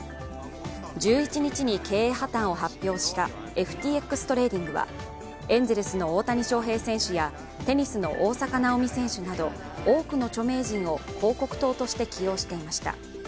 １１日に経営破綻を発表したＦＴＸトレーディングはエンゼルスの大谷翔平やテニスの大坂なおみ選手など多くの著名人を広告塔として起用していました。